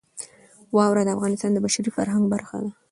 واوره د افغانستان د بشري فرهنګ برخه ده.